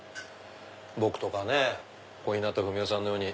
僕とか小日向文世さんのように。